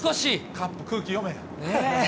カップ、空気読め。